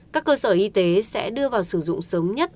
các cơ sở y tế sẽ đưa vào sử dụng sớm nhất